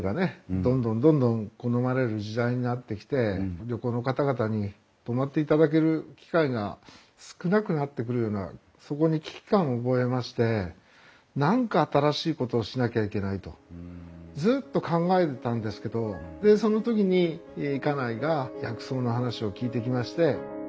どんどんどんどん好まれる時代になってきて旅行の方々に泊まっていただける機会が少なくなってくるようなそこに危機感を覚えまして何か新しいことをしなきゃいけないとずっと考えてたんですけどその時に家内が薬草の話を聞いてきまして。